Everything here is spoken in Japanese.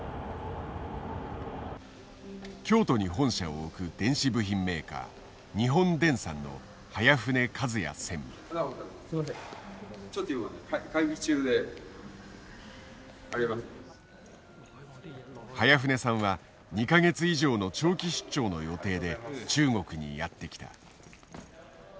京都に本社を置く電子部品メーカー早舩さんは２か月以上の長期出張の予定で中国にやって来た。